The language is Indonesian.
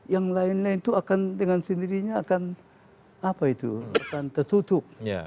yang lain lain itu akan dengan sendirinya akan apa itu akan tertutup